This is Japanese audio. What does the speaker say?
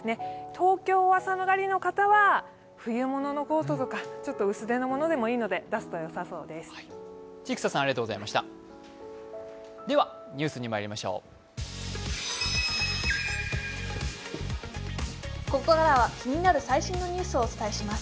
東京は寒がりの方は冬物のコートとかちょっと薄手のものでもいいので出すとよさそうです。